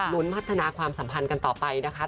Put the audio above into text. พัฒนาความสัมพันธ์กันต่อไปนะคะ